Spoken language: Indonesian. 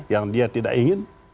yang dia tidak ingin